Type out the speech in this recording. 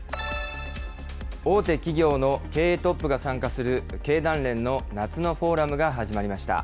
大手企業の経営トップが参加する経団連の夏のフォーラムが始まりました。